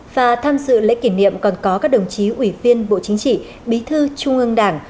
và tham dự lễ kỷ niệm còn có các đồng chí ủy viên bộ chính trị bí thư trung ương đảng